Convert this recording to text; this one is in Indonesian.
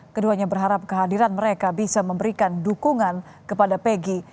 keduanya berharap kehadiran mereka bisa memberikan dukungan kepada pegi